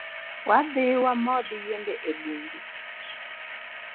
Wadhii wamod yiende e bung’u